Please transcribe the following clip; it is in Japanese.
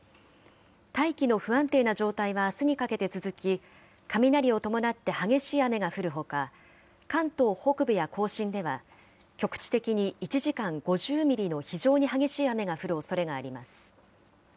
大気の不安定な状態はあすにかけて続き、雷を伴って激しい雨が降るほか、関東北部や甲信では、局地的に１時間５０ミリの非常に激しい雨が降るおそれがあります。